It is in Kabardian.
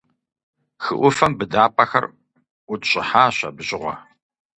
Хы Ӏуфэм быдапӀэхэр ӀутщӀыхьащ абы щыгъуэ.